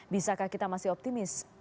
bisakah kita masih optimis